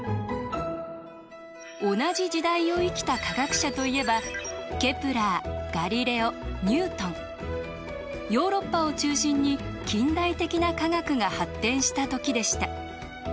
同じ時代を生きた科学者といえばヨーロッパを中心に近代的な科学が発展した時でした。